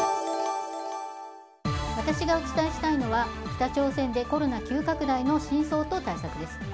私がお伝えしたいのは北朝鮮でコロナ急拡大の真相と対策です。